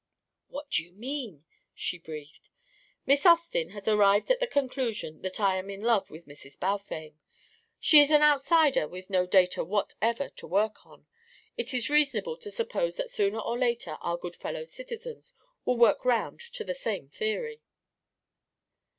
"What do you mean?" she breathed. "Miss Austin has arrived at the conclusion that I am in love with Mrs. Balfame. She is an outsider with no data whatever to work on; it is reasonable to suppose that sooner or later our good fellow citizens will work round to the same theory."